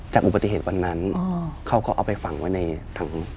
อุบัติเหตุวันนั้นเขาก็เอาไปฝังไว้ในถัง